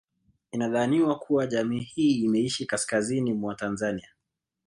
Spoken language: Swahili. Inadhaniwa kuwa jamii hii imeishi kaskazini mwa Tanzania